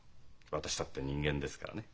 私だって人間ですからね。